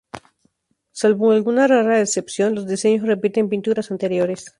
Salvo alguna rara excepción, los diseños repiten pinturas anteriores.